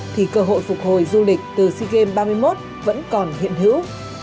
thì cơ hội phục hồi du lịch từ sea games ba mươi một vẫn còn hiện hữu